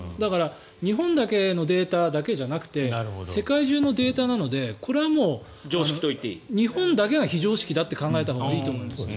日本だけのデータじゃなくて世界中のデータなのでこれはもう日本だけが非常識だと考えたほうがいいと思います。